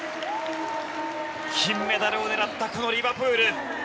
金メダルを狙ったこのリバプール。